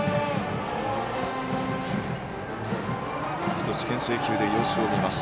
１つけん制球で様子を見ます。